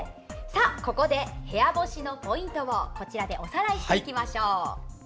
ここで、部屋干しのポイントをおさらいしておきましょう。